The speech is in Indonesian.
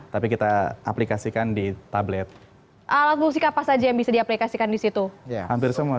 tapi kita aplikasikan di tablet alat musik apa saja yang bisa diaplikasikan di situ ya hampir semua